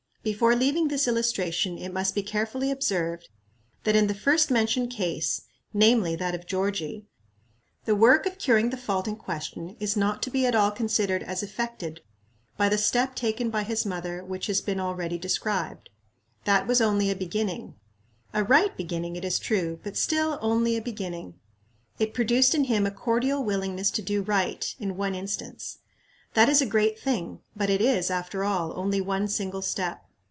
Before leaving this illustration, it must be carefully observed that in the first mentioned case namely, that of Georgie the work of curing the fault in question is not to be at all considered as effected by the step taken by his mother which has been already described. That was only a beginning a right beginning, it is true, but still only a beginning. It produced in him a cordial willingness to do right, in one instance. That is a great thing, but it is, after all, only one single step.